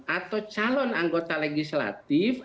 atau calon anggota legislatif